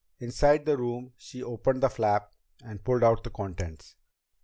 Inside the room, she opened the flap and pulled out the contents.